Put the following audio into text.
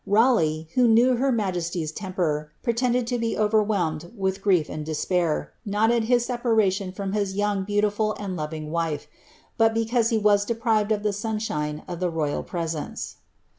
Raleigh, who knei majesty's temper, pretended to be overwhelmed with grief and de; nol at his separation from bis young, beautiful, and loving wife, bu cause he was deprived of the sunshine of the royal presence.'